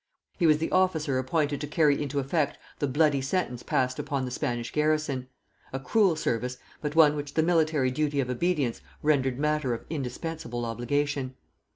He was the officer appointed to carry into effect the bloody sentence passed upon the Spanish garrison; a cruel service, but one which the military duty of obedience rendered matter of indispensable obligation.